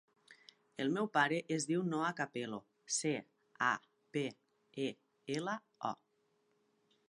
El meu pare es diu Noah Capelo: ce, a, pe, e, ela, o.